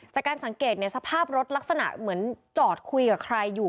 จากการสังเกตสภาพรถลักษณะเหมือนจอดคุยกับใครอยู่